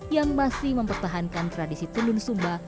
yang masih mempertahankan tradisi tenun sumba